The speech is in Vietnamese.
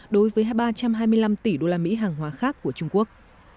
đối với ba trăm hai mươi năm tỷ usd hàng hóa khác của trung quốc